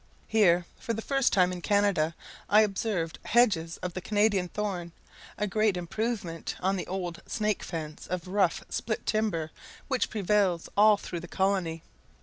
Here, for the first time in Canada, I observed hedges of the Canadian thorn a great improvement on the old snake fence of rough split timber which prevails all through the colony.